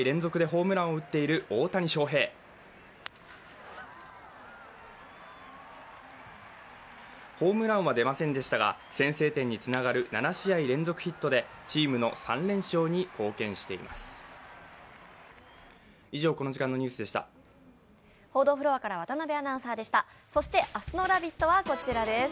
ホームランは出ませんでしたが、先制点につながる７試合連続ヒットでチームの３連勝に貢献しています。